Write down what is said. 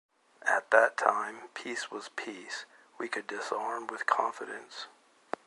At that time, peace was peace. We could disarm with confidence.